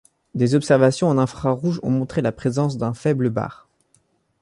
Des observations en infrarouge ont montré la présence d'un faible barre.